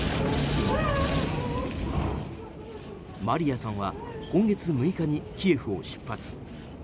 マリヤさんは今月６日にキエフを出発。